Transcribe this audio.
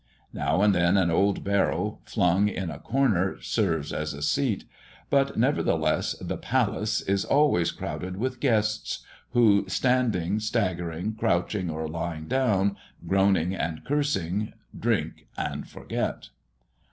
Now and then an old barrel, flung in a corner, serves as a seat. But nevertheless the "palace" is always crowded with guests, who, standing, staggering, crouching, or lying down, groaning, and cursing, drink and forget.